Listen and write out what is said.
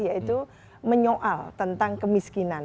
yaitu menyoal tentang kemiskinan